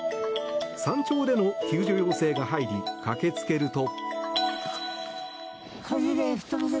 山頂での救助要請が入り駆けつけると。